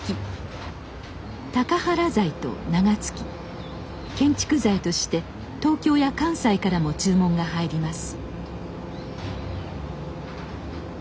たかはら材と名が付き建築材として東京や関西からも注文が入ります。